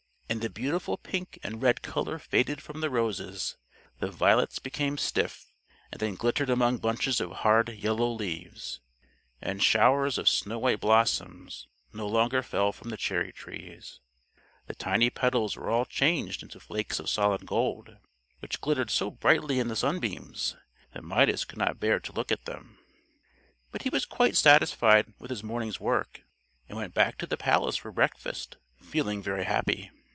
And the beautiful pink and red color faded from the roses: the violets became stiff, and then glittered among bunches of hard yellow leaves: and showers of snow white blossoms no longer fell from the cherry trees; the tiny petals were all changed into flakes of solid gold, which glittered so brightly in the sunbeams that Midas could not bear to look at them. But he was quite satisfied with his morning's work, and went back to the palace for breakfast feeling very happy.